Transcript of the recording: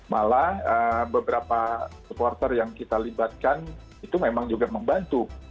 malah beberapa supporter yang kita libatkan itu memang juga membantu